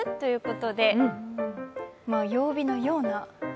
曜日のような。